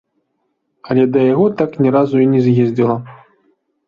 Але да яго так ні разу і не з'ездзіла.